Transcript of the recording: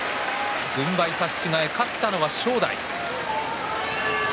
軍配差し違えで勝ったのは正代。